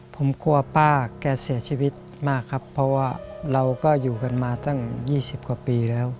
ผมกลัวป้าแกเสียชีวิตมากครับเพราะว่าเราก็อยู่กันมาตั้ง๒๐กว่าปีแล้ว